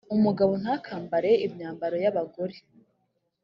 umugabo ntakambare imyambaro y’abagore;